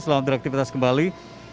selamat beraktifitas kembali